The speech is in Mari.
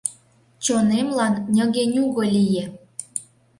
Чонемлан ньыге-нюго лие.